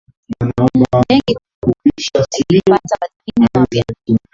Bengi kuu lilipata wadhamini wapya.